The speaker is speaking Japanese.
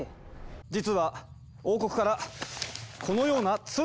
実は王国からこのような通達が届いたのだ。